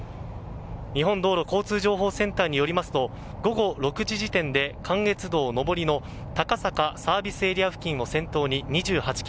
日本道路交通情報センターによりますと午後６時時点で関越道上りの高坂ＳＡ付近を先頭に２８ｋｍ